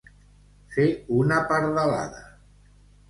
Fer una pardalada.